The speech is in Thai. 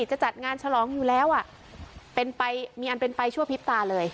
จะจัดงานฉลองอยู่แล้วอ่ะเป็นไปมีอันเป็นไปชั่วพริบตาเลย